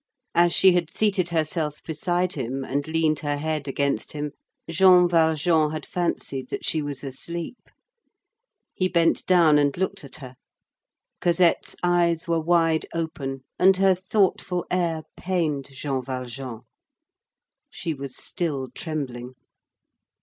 As she had seated herself beside him and leaned her head against him, Jean Valjean had fancied that she was asleep. He bent down and looked at her. Cosette's eyes were wide open, and her thoughtful air pained Jean Valjean. She was still trembling.